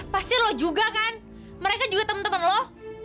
pasti lo juga kan mereka juga temen temen lo